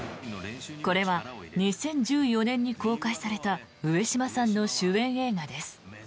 これは２０１４年に公開された上島さんの主演映画です。